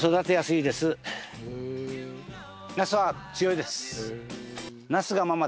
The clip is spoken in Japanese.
ナスは強いです。